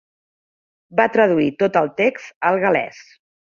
Va traduir tot el text al gal·lès.